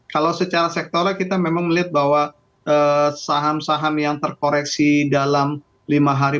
kalau secara sektoral kita memang melihat bahwa saham saham yang terkoreksi dalam lima hari